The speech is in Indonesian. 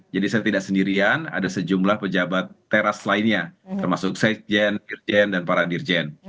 jadi saya tidak sendirian ada sejumlah pejabat teras lainnya termasuk sejen dirjen dan para dirjen